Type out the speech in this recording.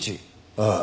ああ。